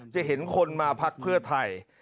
จะเห็นคนมาพักเพื่อไทย